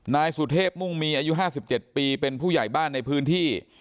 นายสุเทพมุ่งมีอายุ๕๗ปีเป็นผู้ใหญ่บ้านในพื้นที่